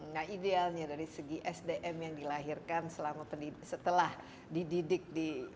nah idealnya dari segi sdm yang dilahirkan setelah dididik di